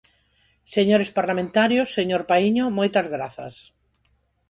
Señores parlamentarios, señor Paíño, moitas grazas.